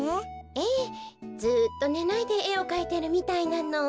ええずっとねないでえをかいてるみたいなの。